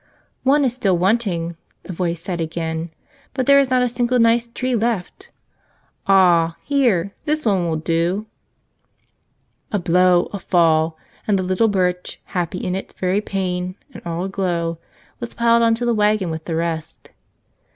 "One is still wanting," a voice said again, "but there is not a single nice tree left. Ah, here, this one will do ..." A blow, a fall, and the little Birch, happy in its very pain and all aglow, was piled onto the wagon with the rest.